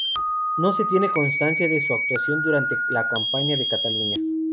No se tiene constancia de su actuación durante la campaña de Cataluña.